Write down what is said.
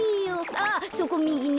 あっそこみぎね。